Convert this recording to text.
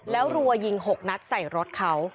แล้วรัวยิง๖นัดใส่รถเขา